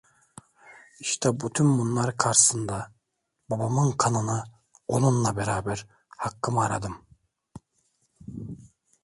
İşte bütün bunlar karşısında, babamın kanını, onunla beraber hakkımı aradım.